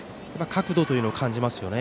角度というのを感じますね。